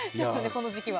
この時期は。